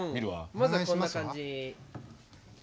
まずはこんな感じ。